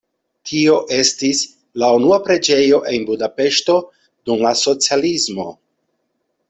Tio estis la una preĝejo en Budapeŝto dum la socialismo.